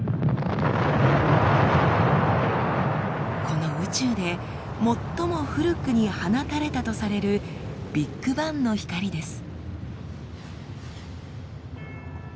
この宇宙で最も古くに放たれたとされるビッグバンの光です。